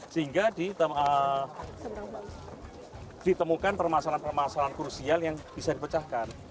sehingga ditemukan permasalahan permasalahan krusial yang bisa dipecahkan